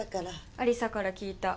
亜里沙から聞いた。